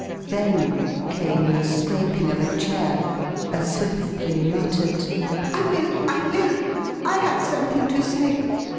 Then came the scraping of a chair, a swiftly muttered, "I will! I will! I have something to say!"